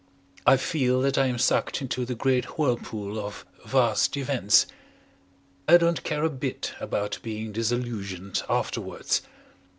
I feel that I am sucked into the great whirlpool of Vast Events. I don't care a bit about being disillusioned afterwards.